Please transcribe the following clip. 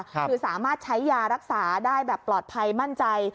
คือสามารถใช้ยารักษาได้แบบปลอดภัยมั่นใจ